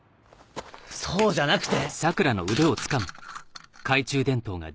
そうじゃなくて！